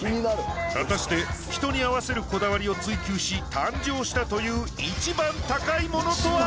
果たして人に合わせるこだわりを追求し誕生したという１番高いモノとは？